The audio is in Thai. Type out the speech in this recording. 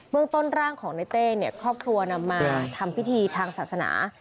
พระร่างของนายเต้เนี่ยครอบครัวนำมาทำพิธีทางศาสนา